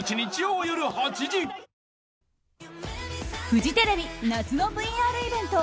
フジテレビ夏のＶＲイベント